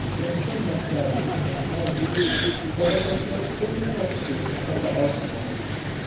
My sin must have been in imagining that I could get still more of truth from the outside.